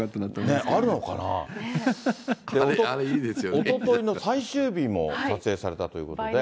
おとといの最終日も撮影されたということでね。